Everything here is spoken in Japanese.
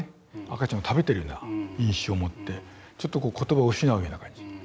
赤ちゃんを食べてるような印象を持ってちょっと言葉を失うような感じ。